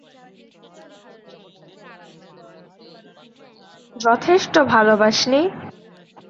যথেষ্ট ভালোবাস নি?